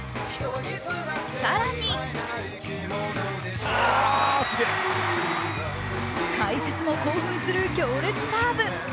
更に解説も興奮する強烈サーブ。